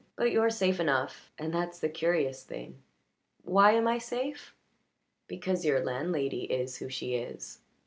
But you're safe enough, and that's the curious thing." "Why am I safe?" "Because your landlady is who she is."